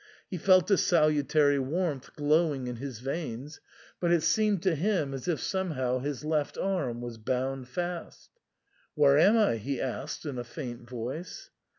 He felt a salutary warmth glowing in his veins, SIGN OR FORMICA. 71 but it seemed to him as if somehow his left arm was bound fast. " Where am I ?" he asked in a faint voice.